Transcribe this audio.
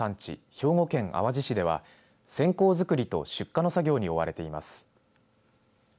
兵庫県淡路市では線香作りと出荷の作業に追われています。